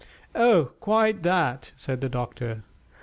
"Oh, quite that," said the doctor.